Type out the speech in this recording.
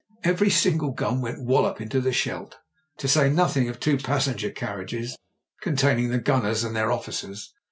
Every single gun went wallop into the Scheldt — ^to say nothing of two passenger carriages containing the gunners and their officers.